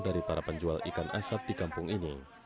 dari para penjual ikan asap di kampung ini